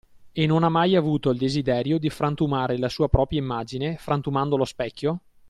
E non ha mai avuto il desiderio di frantumare la sua propria immagine, frantumando lo specchio?